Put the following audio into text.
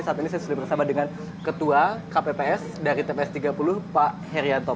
saat ini saya sudah bersama dengan ketua kpps dari tps tiga puluh pak herianto